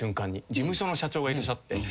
事務所の社長がいらっしゃって。